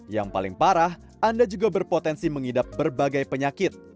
yang paling parah anda juga berpotensi mengidap berbagai penyakit